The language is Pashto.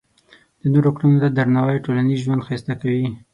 د نورو کړنو ته درناوی ټولنیز ژوند ښایسته کوي.